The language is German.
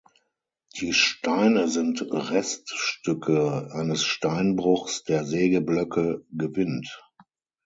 Die Steine sind Reststücke eines Steinbruchs der Sägeblöcke gewinnt.